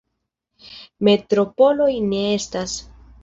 Metropoloj ne estas.